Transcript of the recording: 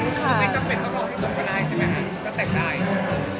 คือไม่จำเป็นต้องรอให้จบก็ได้ใช่ไหมฮะก็แต่งได้